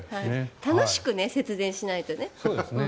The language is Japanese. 楽しく節電しないとね。